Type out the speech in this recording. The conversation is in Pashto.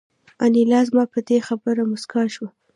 انیلا زما په دې خبره موسکه شوه